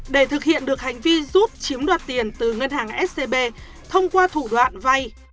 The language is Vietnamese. để thực hiện được hành vi rút chiếm đoạt tiền từ ngân hàng scb thông qua thủ đoạn vay